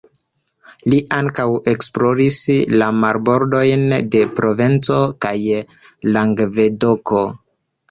Li ankaŭ esploris la marbordojn de Provenco kaj Langvedoko.